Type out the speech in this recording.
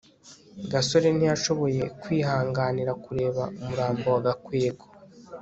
gasore ntiyashoboye kwihanganira kureba umurambo wa gakwego